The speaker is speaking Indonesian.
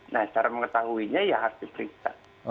nah cara mengetahuinya ya harus diperiksa